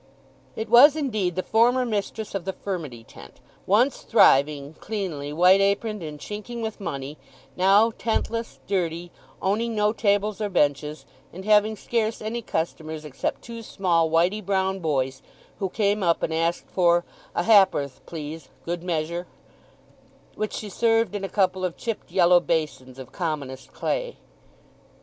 It was indeed the former mistress of the furmity tent—once thriving, cleanly, white aproned, and chinking with money—now tentless, dirty, owning no tables or benches, and having scarce any customers except two small whity brown boys, who came up and asked for "A ha'p'orth, please—good measure," which she served in a couple of chipped yellow basins of commonest clay.